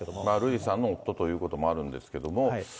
瑠麗さんの夫ということもあると思うんですけど。